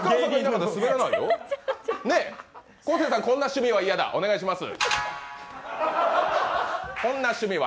昴生さん、こんな趣味は嫌だ、お願いします。